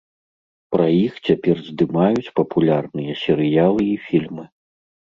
Пра іх цяпер здымаюць папулярныя серыялы і фільмы.